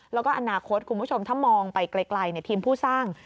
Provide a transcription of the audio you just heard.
แล้วก็อนาคตคุณผู้ชมถ้ามองไปไกลทีมผู้สร้าง